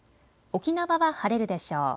沖縄は晴れるでしょう。